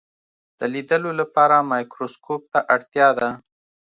د لیدلو لپاره مایکروسکوپ ته اړتیا ده.